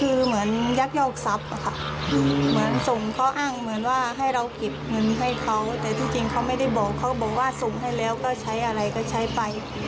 เขาบอกว่าส่งให้แล้วก็ใช้อะไรก็ใช้ไป